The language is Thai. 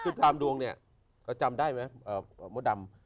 คือตามดวงเนี่ยเขาจำได้ไหมมดดำ